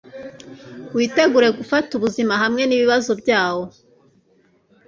witegure gufata ubuzima hamwe nibibazo byabwo